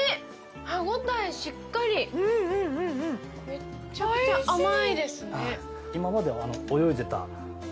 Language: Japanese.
めちゃくちゃ甘いですね。